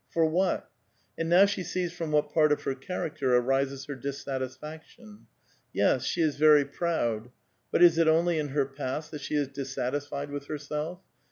For what? And now she sees from what part of her character arises her dissatisfaction. Yes; she is very proud. But is it only in her past that she is dissatisfied with herself?